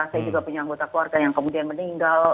saya juga punya anggota keluarga yang kemudian meninggal